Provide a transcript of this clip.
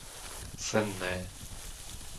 Senné